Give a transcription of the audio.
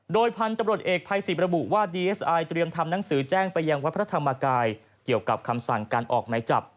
โดยพันธุ์ตำรวจเอกภัยสิทธิ์ระบุว่าดีเอสไอเตรียมทำหนังสือแจ้งไปยังวัดพระธรรมกายเกี่ยวกับคำสั่งการออกหมายจับ